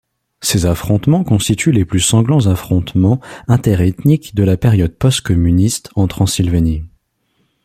Ces affrontements constituent les plus sanglants affrontements interethniques de la période post-communisme en Transylvanie.